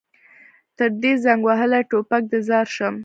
تر دې زنګ وهلي ټوپک دې ځار شم.